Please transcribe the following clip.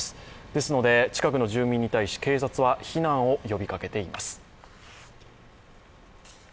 ですので、近くの住民に対し、警察は避難を呼びかけています。